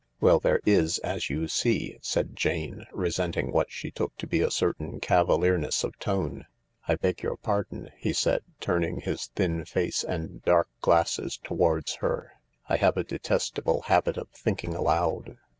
" Well, there is, as you see," said Jane, resenting what she took to be a certain cavalierness of tone. " I beg your pardon," he said, turning his thin face and dark glasses towards her. " I have a detestable habit of think ing aloud.